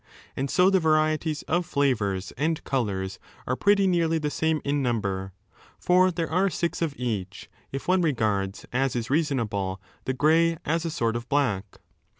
And so the varieties of flavours and colours are pretty nearly the same in number; for there are six of each, if one regards, as is reasonable, the gray as a sort of black.